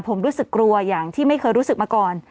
ผมรู้สึกกลัวอย่างที่ไม่เคยรู้สึกมาก่อน